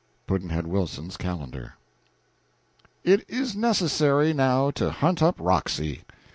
Pudd'nhead Wilson's Calendar. It is necessary now, to hunt up Roxy.